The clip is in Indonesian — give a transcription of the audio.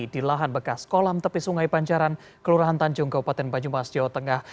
di lahan bekas kolam tepi sungai panjaran kelurahan tanjung kabupaten banyumas jawa tengah